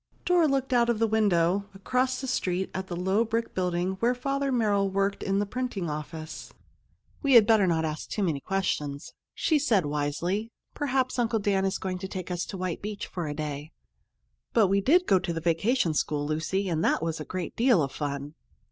Dora looked out of the window across the street at the low brick building where Father Merrill worked in the printing office. "We had better not ask too many questions," she said wisely. "Perhaps Uncle Dan is going to take us to White Beach for a day. But we did go to the vacation school, Lucy, and that was a great deal of fun."